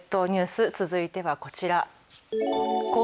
では列島ニュース続いてはこちら。